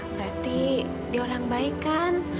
berarti dia orang baik kan